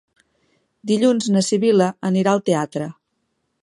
Dilluns na Sibil·la anirà al teatre.